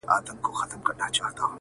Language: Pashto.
په علاج یې سول د ښار طبیبان ستړي!